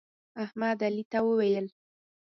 احمد علي ته وویل: